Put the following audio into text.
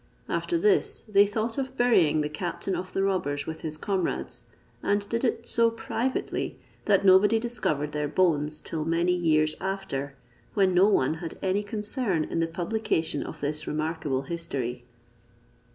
After this, they thought of burying the captain of the robbers with his comrades, and did it so privately that nobody discovered their bones till many years after, when no one had any concern in the publication of this remarkable history.